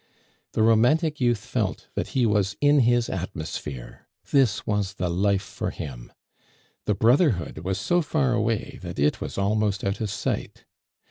The romantic youth felt that he was in his atmosphere. This was the life for him. The brotherhood was so far away that it was almost out of sight.